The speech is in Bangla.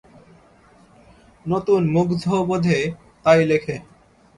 নতুন মুগ্ধবোধে তাই লেখে।